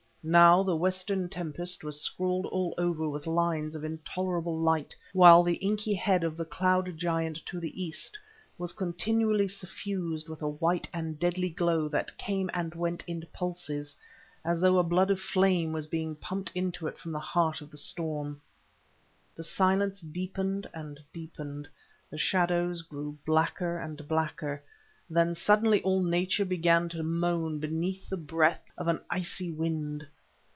Now the western tempest was scrawled all over with lines of intolerable light, while the inky head of the cloud giant to the east was continually suffused with a white and deadly glow that came and went in pulses, as though a blood of flame was being pumped into it from the heart of the storm. The silence deepened and deepened, the shadows grew blacker and blacker, then suddenly all nature began to moan beneath the breath of an icy wind.